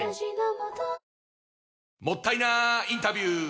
もったいなインタビュー！